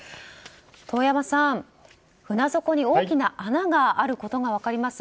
遠山さん、船底に大きな穴があることが分かります。